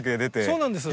そうなんです。